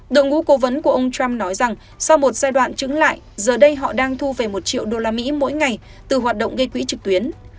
đội ngũ cố vấn của ông trump nói rằng sau một giai đoạn trứng lại giờ đây họ đang thu về một triệu usd mỗi ngày từ hoạt động gây quỹ trực tuyến